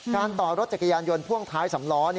ต่อรถจักรยานยนต์พ่วงท้ายสำล้อ